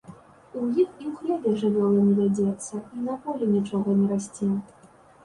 У іх і ў хляве жывёла не вядзецца і на полі нічога не расце.